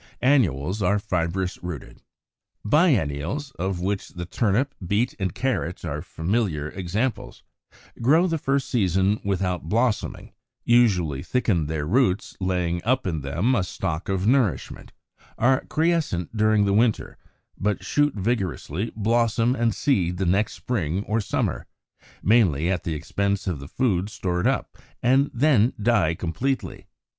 Annuals are fibrous rooted. 85. =Biennials=, of which the Turnip, Beet, and Carrot are familiar examples, grow the first season without blossoming, usually thicken their roots, laying up in them a stock of nourishment, are quiescent during the winter, but shoot vigorously, blossom, and seed the next spring or summer, mainly at the expense of the food stored up, and then die completely.